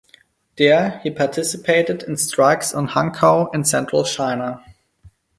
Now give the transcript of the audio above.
There he participated in strikes on Hankou in Central China.